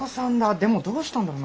でもどうしたんだろう。